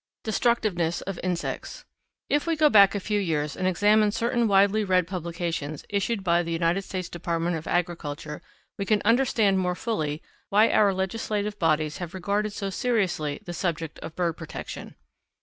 Destructiveness of Insects. If we go back a few years and examine certain widely read publications issued by the United States Department of Agriculture, we can understand more fully why our legislative bodies have regarded so seriously the subject of bird protection.